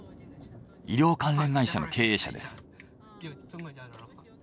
医療関連会社の経営者です。